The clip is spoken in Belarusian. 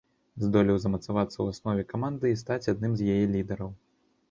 Здолеў замацавацца ў аснове каманды і стаць адным з яе лідараў.